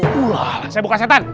ulah lah saya bukan setan